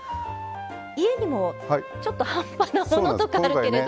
家にもちょっと半端なものとかあるけれど。